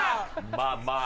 まあまあ。